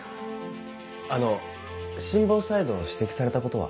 あの心房細動を指摘されたことは？